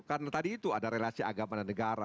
karena tadi itu ada relasi agama dan negara